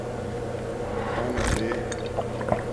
پنادے